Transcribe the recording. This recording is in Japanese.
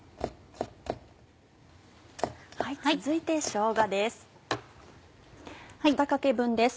続いてしょうがです。